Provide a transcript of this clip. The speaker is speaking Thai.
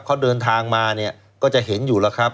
เขาเดินทางมาเนี่ยก็จะเห็นอยู่แล้วครับ